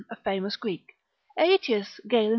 a famous Greek, Aetius ser.